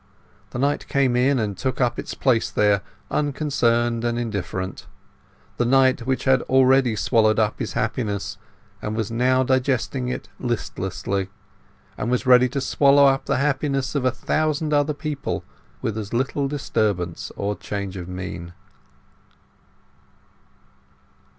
The night came in, and took up its place there, unconcerned and indifferent; the night which had already swallowed up his happiness, and was now digesting it listlessly; and was ready to swallow up the happiness of a thousand other people with as little disturbance or change of mien.